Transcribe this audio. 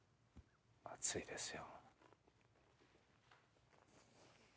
熱いですよ。